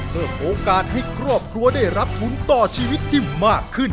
เพิ่มโอกาสให้ครอบครัวได้รับทุนต่อชีวิตที่มากขึ้น